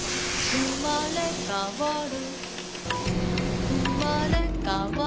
「うまれかわる」